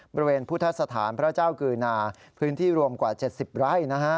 บริเวณพุทธสถานพระเจ้ากือนาพื้นที่รวมกว่า๗๐ไร่